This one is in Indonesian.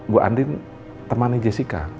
bu andin temani jessica